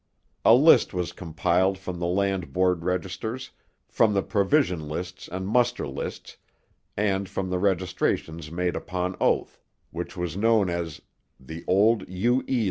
A list was compiled from the land board registers, from the provision lists and muster lists, and from the registrations made upon oath, which was known as the 'Old U. E.